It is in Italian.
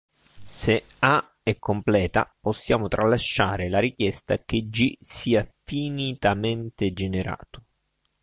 Se A è completa, possiamo tralasciare la richiesta che "G" sia finitamente generato.